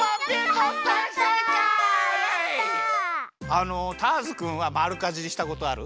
あのターズくんはまるかじりしたことある？